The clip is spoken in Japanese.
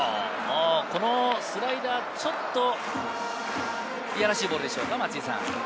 このスライダー、ちょっといやらしいボールでしょうか、松井さん。